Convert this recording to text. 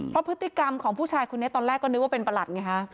เพราะพฤติกรรมของผู้ชายคนนี้ตอนแรกก็นึกว่าเป็นประหลัดไงฮะ